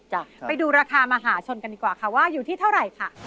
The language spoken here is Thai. ไปดูราคามหาชนกันดีกว่าค่ะว่าอยู่ที่เท่าไหร่ค่ะ